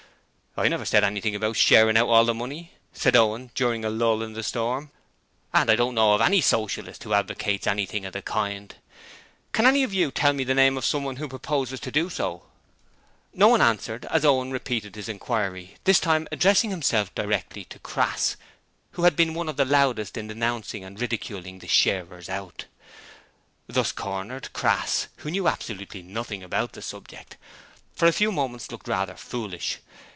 'I never said anything about "sharing out all the money",' said Owen during a lull in the storm, 'and I don't know of any Socialist who advocates anything of the kind. Can any of you tell me the name of someone who proposes to do so?' No one answered, as Owen repeated his inquiry, this time addressing himself directly to Crass, who had been one of the loudest in denouncing and ridiculing the 'Sharers Out'. Thus cornered, Crass who knew absolutely nothing about the subject for a few moments looked rather foolish.